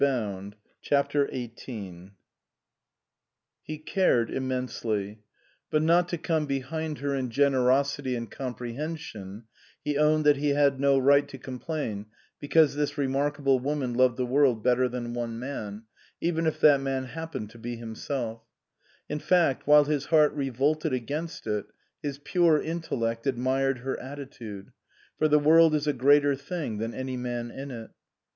191 CHAPTER XVIII HE cared immensely. But not to come be hind her in generosity and comprehen sion he owned that he had no right to complain because this remarkable woman loved the world better than one man, even if that man happened to be himself ; in fact while his heart revolted against it, his pure intellect admired her attitude, for the world is a greater thing than any man in it.